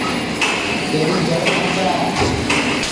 تیری جڑ کھپئے